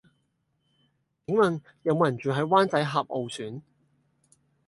請問有無人住喺灣仔峽傲璇